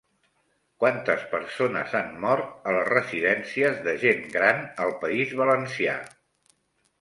Quantes persones han mort a les residències de gent gran al País Valencià?